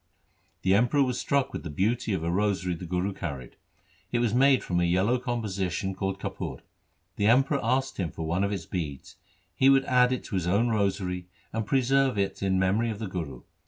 The Emperor was struck with the beauty of a rosary the Guru carried. It was made from a yellow composition called kapur. The Emperor asked him for one of its beads. He would add it to his own rosary and preserve it in memory of the Guru.